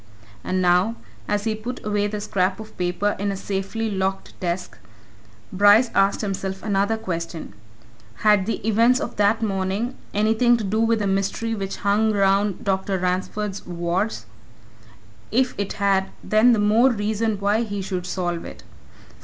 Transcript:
And now, as he put away the scrap of paper in a safely locked desk, Bryce asked himself another question: Had the events of that morning anything to do with the mystery which hung around Dr. Ransford's wards? If it had, then all the more reason why he should solve it.